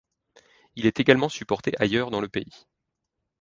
Il est également supporté ailleurs dans le pays.